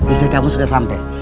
istri kamu sudah sampai